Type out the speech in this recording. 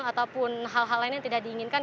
ataupun hal hal lain yang tidak diinginkan